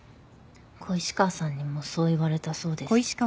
小石川さんにもそう言われたそうです。